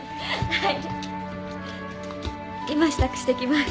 はい。